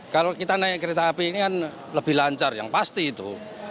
kalau kita naik kereta api ini kan lebih lancar yang pasti itu